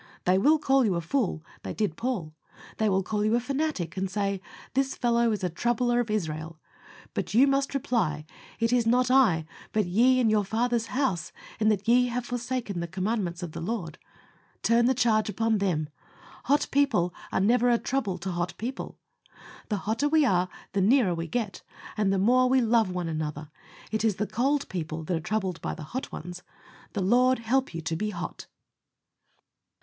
They will call you a fool: they did Paul. They will call you a fanatic, and say, "This fellow is a troubler of Israel"; but you must reply, "It is not I, but ye and your father's house, in that ye have forsaken the commandments of the Lord." Turn the charge upon them. Hot people are never a trouble to hot people. The hotter we are the nearer we get, and the more we love one another. It is the cold people that are troubled by the hot ones. The Lord help you to be HOT.